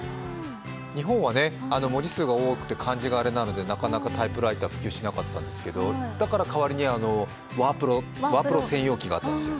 日本は文字数が多くて漢字があれなのでなかなかタイプライター普及しなかったんですけど、だから代わりにワープロ専用機があったんですよ。